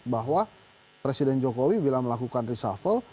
bahwa presiden jokowi bila melakukan reshuffle